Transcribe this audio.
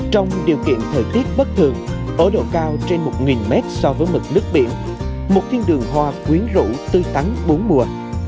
trong điều kiện thời tiết bất thường ở độ cao trên một mét so với mực nước biển một thiên đường hoa quyến rũ tươi tắn bốn mùa